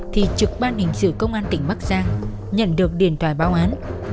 thì trực ban hình sự công an tỉnh bắc giang nhận được điện thoại báo án